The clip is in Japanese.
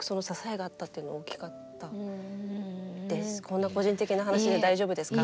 こんな個人的な話で大丈夫ですか？